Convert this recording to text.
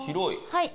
はい。